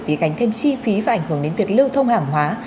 bị gánh thêm chi phí và ảnh hưởng đến việc lưu thông hàng hóa